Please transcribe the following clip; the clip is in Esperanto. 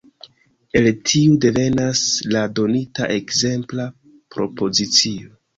El tiu devenas la donita ekzempla propozicio.